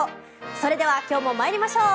それでは今日も参りましょう。